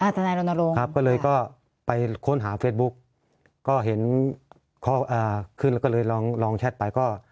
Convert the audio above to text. ธนาลงก็เลยไปค้นหาเฟสบุ๊คก็เห็นข้อขึ้นเลยลองแชทใน